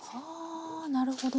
あなるほど。